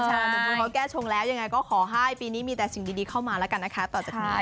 สมมุติเขาแก้ชงแล้วยังไงก็ขอให้ปีนี้มีแต่สิ่งดีเข้ามาแล้วกันนะคะต่อจากนี้